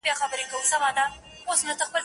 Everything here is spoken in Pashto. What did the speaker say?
ما د زهرو پیاله نوش کړه د اسمان استازی راغی